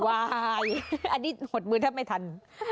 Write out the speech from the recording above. วายอันนี้หดมือถ้าไม่ทัน